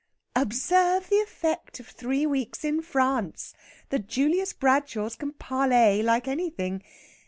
"Observe the effect of three weeks in France. The Julius Bradshaws can parlay like anything!